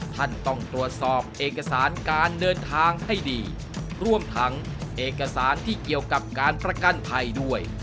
ท่านต้องตรวจสอบเอกสารการเดินทางให้ดีรวมทั้งเอกสารที่เกี่ยวกับการประกันภัยด้วย